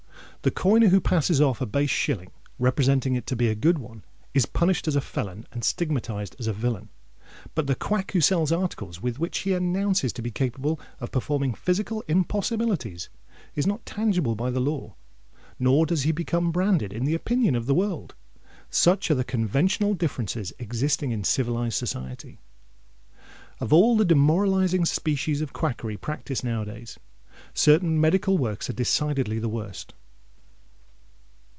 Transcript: The coiner who passes off a base shilling, representing it to be a good one, is punished as a felon and stigmatised as a villain. But the quack who sells articles which he announces to be capable of performing physical impossibilities, is not tangible by the law, nor does he become branded in the opinion of the world. Such are the conventional differences existing in civilised society! Of all the demoralising species of quackery practised now a days, certain medical works are decidedly the worst.